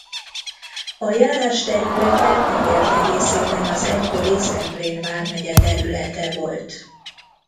A járás területe teljes egészéban az egykori Zemplén vármegye területe volt.